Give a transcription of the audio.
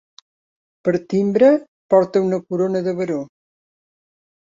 Per timbre, porta una corona de Baró.